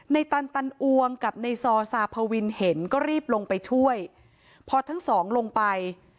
ตันตันอวงกับในซอซาพวินเห็นก็รีบลงไปช่วยพอทั้งสองลงไป